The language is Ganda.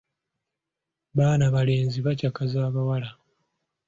Baana balenzi bacakaza abawala.